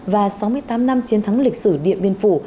và sáu mươi tám năm chiến thắng lịch sử điện biên phủ